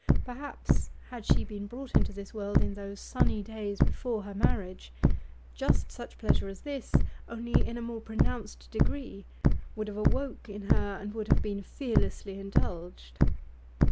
Perhaps, had she been brought into this world in those sunny days before her marriage, just such pleasure as this, only in a more pronounced degree, would have awoke in her and have been fearlessly indulged.